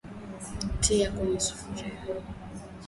tia kwenye sufuria